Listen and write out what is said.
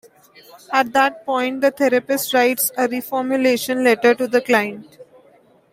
At that point the therapist writes a reformulation letter to the client.